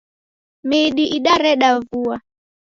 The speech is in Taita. Midi idareda vua.